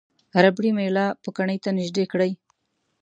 ربړي میله پوکڼۍ ته نژدې کړئ.